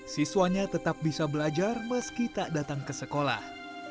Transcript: siswanya tetap bisa belajar meski tak datang ke sekolah